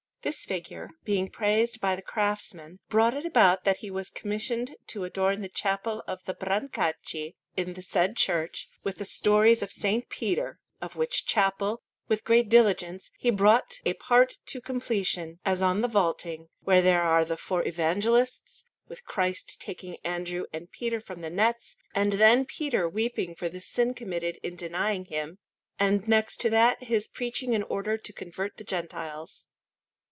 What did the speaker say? This figure, being praised by the craftsmen, brought it about that he was commissioned to adorn the Chapel of the Brancacci, in the said church, with the stories of S. Peter; of which chapel, with great diligence, he brought a part to completion, as on the vaulting, where there are the four Evangelists, with Christ taking Andrew and Peter from the nets and then Peter weeping for the sin committed in denying Him, and next to that his preaching in order to convert the Gentiles.